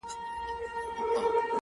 ته يې جادو په شينكي خال كي ويــنې.!